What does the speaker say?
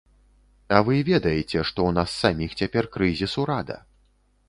А вы ведаеце, што ў нас саміх цяпер крызіс ўрада.